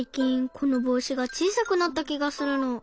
このぼうしがちいさくなったきがするの。